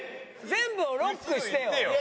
全部をロックしてよ。